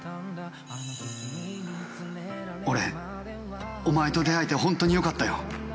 俺お前と出会えてホントによかったよ